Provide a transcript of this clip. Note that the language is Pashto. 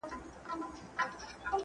ښه خوب د فشار مخنیوی کوي.